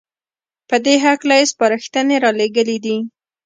په دې هکله يې سپارښنې رالېږلې دي